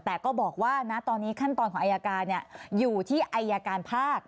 แต่ก็บอกว่าณตอนนี้ขั้นตอนของอายการอยู่ที่อายการภาค